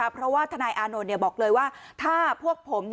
เพราะว่าทนายอานนท์บอกเลยว่าถ้าพวกผม